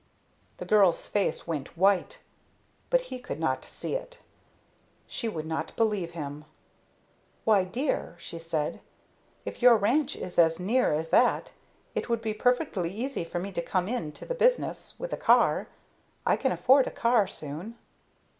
The girl's face went white, but he could not see it. She would not believe him. "Why, dear," she said, "if your ranch is as near as that it would be perfectly easy for me to come in to the business with a car. I can afford a car soon."